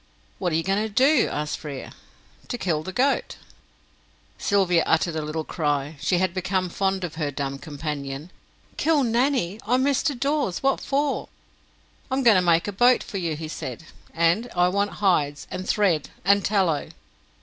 "What are you going to do?" asked Frere. "To kill the goat." Sylvia uttered a little cry; she had become fond of her dumb companion. "Kill Nanny! Oh, Mr. Dawes! What for?" "I am going to make a boat for you," he said, "and I want hides, and thread, and tallow."